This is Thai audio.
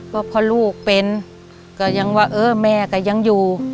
ก็พอลูกเป็นก็ยังว่าเออแม่ก็ยังอยู่